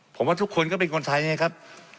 ผมว่าทุกคนก็เป็นคนไทยไงครับ